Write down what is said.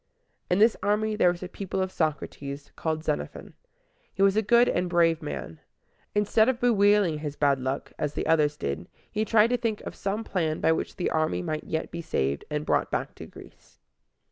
In this army there was a pupil of Socrates, called Xenophon. He was a good and brave man. Instead of bewailing his bad luck, as the others did, he tried to think of some plan by which the army might yet be saved, and brought back to Greece.